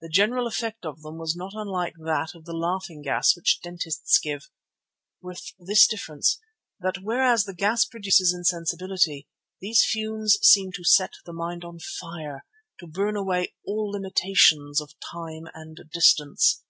The general effect of them was not unlike that of the laughing gas which dentists give, with this difference, that whereas the gas produces insensibility, these fumes seemed to set the mind on fire and to burn away all limitations of time and distance.